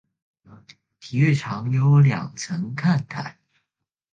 体育场有两层看台。